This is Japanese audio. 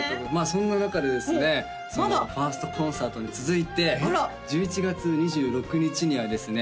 そのファーストコンサートに続いて１１月２６日にはですね